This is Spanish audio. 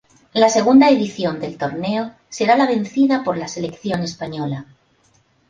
La segunda edición del torneo será la vencida por la selección española.